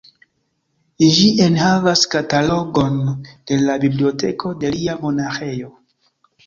Ĝi enhavas katalogon de la biblioteko de lia monaĥejo.